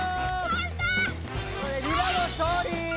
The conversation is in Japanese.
リラの勝利！